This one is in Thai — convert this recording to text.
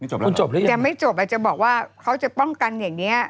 จบแล้วคุณจบหรือยังจะไม่จบอาจจะบอกว่าเขาจะป้องกันอย่างนี้